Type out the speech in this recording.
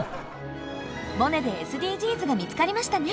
「モネ」でＳＤＧｓが見つかりましたね！